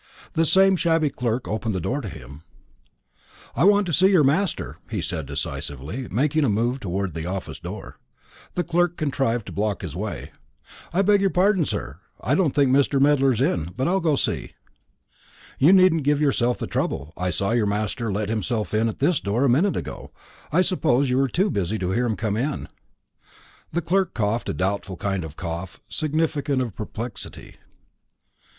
The same shabby clerk opened the door to him. "I want to see your master," he said decisively, making a move towards the office door. The clerk contrived to block his way. "I beg your pardon, sir, I don't think Mr. Medler's in; but I'll go and see." "You needn't give yourself the trouble. I saw your master let himself in at this door a minute ago. I suppose you were too busy to hear him come in." The clerk coughed a doubtful kind of cough, significant of perplexity.